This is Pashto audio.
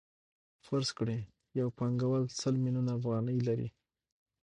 فرض کړئ یو پانګوال سل میلیونه افغانۍ لري